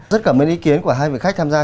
rất cảm ơn ý kiến của hai vị khách tham gia